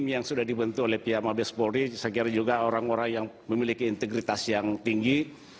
yang sudah dibentuk oleh pihak mabes polri saya kira juga orang orang yang memiliki integritas yang tinggi